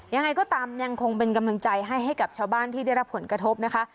ยังไงก็ตามยังคงเป็นกำลังใจให้ให้กับชาวบ้านที่ได้รับผลกระทบนะคะ